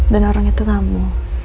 dan orang itu kamu